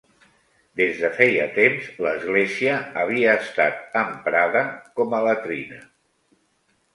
Des de feia temps l'església havia estat emprada com a latrina